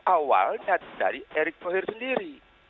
awalnya dari erick thohir sendiri